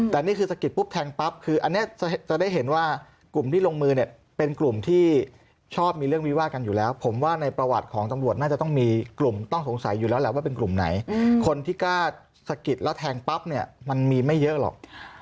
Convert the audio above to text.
แต่นี่คือสะกิดปุ๊บแทงปั๊บคืออันนี้จะได้เห็นว่ากลุ่มที่ลงมือเนี่ยเป็นกลุ่มที่ชอบมีเรื่องวิวาดกันอยู่แล้วผมว่าในประวัติของตำรวจน่าจะต้องมีกลุ่มต้องสงสัยอยู่แล้วแหละว่าเป็นกลุ่มไหนคนที่กล้าสะกิดแล้วแทงปั๊บเนี่ยมันมีไม่เยอะหรอก